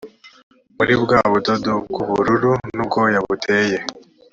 muri bwa budodo bw ubururu n ubwoya buteye